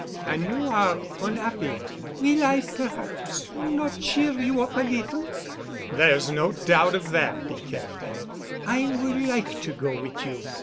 An' you are onhappy. Will I perhaps not cheer you up a little?" "There's no doubt of that, Piquette——" "I would like to go wit' you.